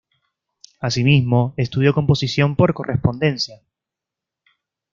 Asimismo, estudió composición por correspondencia.